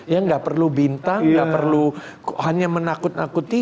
ya nggak perlu bintang nggak perlu hanya menakut nakuti